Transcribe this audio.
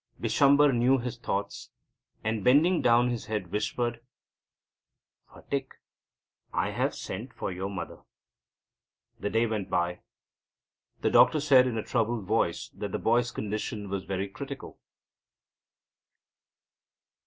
Bishamber knew his thoughts, and, bending down his head, whispered: "Phatik, I have sent for your mother." The day went by. The doctor said in a troubled voice that the boy's condition was very critical.